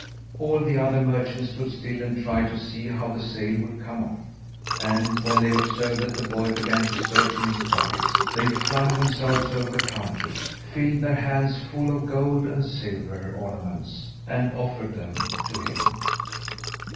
All the other merchants stood still and tried to see how the sale would come off, and when they observed that the boy began to search in his pockets, they flung themselves over the counters, filled their hands full of gold and silver ornaments, and offered them to him.